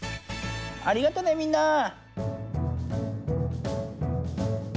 ありがとねみんな！